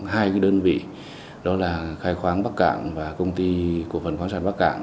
hai đơn vị đó là khai khoáng bắc cạng và công ty cổ phần khoáng sản bắc cạng